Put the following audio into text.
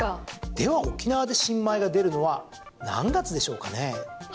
では、沖縄で新米が出るのは何月でしょうかね？